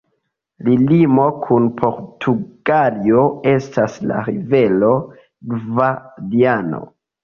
La limo kun Portugalio estas la rivero Gvadiano.